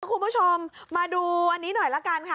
คุณผู้ชมมาดูวันนี้หน่อยละกันค่ะ